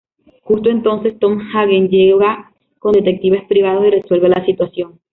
Justo entonces, Tom Hagen llega con detectives privados y resuelve la situación.